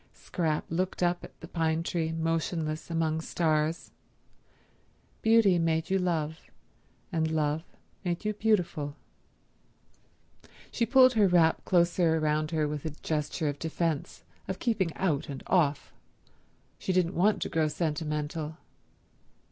Scrap looked up at the pine tree motionless among stars. Beauty made you love, and love made you beautiful. .. She pulled her wrap closer round her with a gesture of defence, of keeping out and off. She didn't want to grow sentimental.